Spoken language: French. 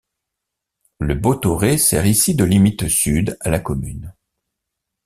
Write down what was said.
Le Botoret sert ici de limite sud à la commune.